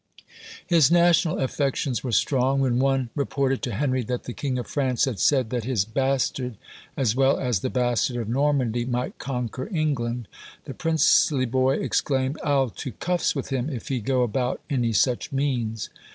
His national affections were strong. When one reported to Henry that the King of France had said that his bastard, as well as the bastard of Normandy, might conquer England, the princely boy exclaimed, "I'll to cuffs with him, if he go about any such means."